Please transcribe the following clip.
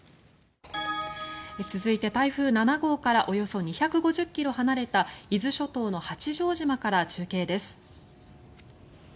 続いて台風７号からおよそ２５０ｋｍ離れた伊豆諸島の八丈島から中継です。